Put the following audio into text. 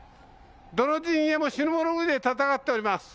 どの陣営も死に物狂いで闘っております。